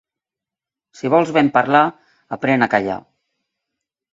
Si vols ben parlar, aprèn a callar.